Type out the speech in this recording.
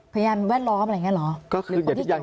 พยานแวดล้อมอะไรอย่างนี้เหรอ